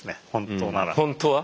本当は。